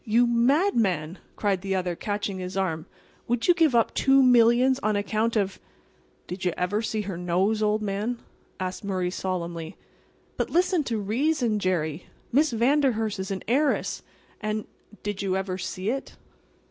"You madman!" cried the other, catching his arm. "Would you give up two millions on account of"— "Did you ever see her nose, old man?" asked Murray, solemnly. "But, listen to reason, Jerry. Miss Vanderhurst is an heiress, and"— "Did you ever see it?"